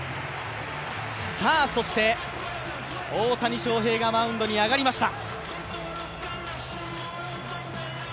そして大谷翔平がマウンドに上がりました。